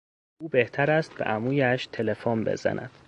او بهتر است به عمویش تلفن بزند.